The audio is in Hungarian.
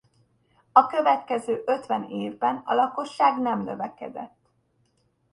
A következő ötven évben a lakosság nem növekedett.